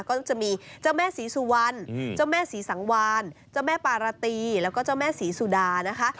ก็จะมีเจ้าแม่ศรีสุวรรณเจ้าแม่ศรีสังวานเจ้าแม่ปาราตีแล้วก็เจ้าแม่ศรีสุดานะคะ